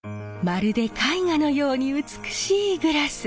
まるで絵画のように美しいグラス。